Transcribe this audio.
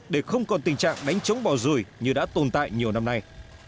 để không còn tình trạng đánh chống bò rùi như đã tồn tại nhiều năm nay